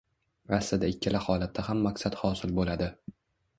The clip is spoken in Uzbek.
Aslida ikkala holatda ham maqsad hosil bo‘ladi.